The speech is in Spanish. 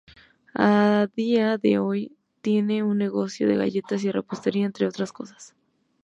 A día de hoy, tiene un negocio de galletas y repostería, entre otras cosas.